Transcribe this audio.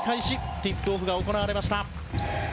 ティップオフが行われました。